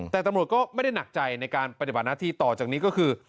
แต่ตำรวจก็ไม่ได้หนักใจในการปฏิบัติหน้าที่ต่อจากนี้ก็คือ